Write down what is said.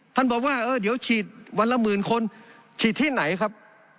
ท่านบอกว่าเออเดี๋ยวฉีดวันละหมื่นคนฉีดที่ไหนครับ